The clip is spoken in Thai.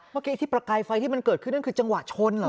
เมื่อกี้ที่ประกายไฟที่มันเกิดขึ้นนั่นคือจังหวะชนเหรอ